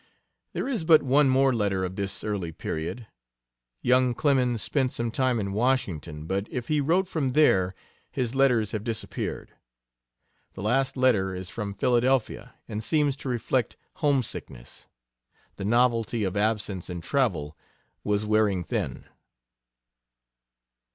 There is but one more letter of this early period. Young Clemens spent some time in Washington, but if he wrote from there his letters have disappeared. The last letter is from Philadelphia and seems to reflect homesickness. The novelty of absence and travel was wearing thin.